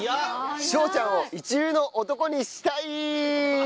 翔ちゃんを一流の男にしたいー！